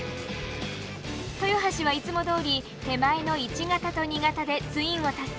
豊橋はいつもどおり手前の１型と２型でツインを達成。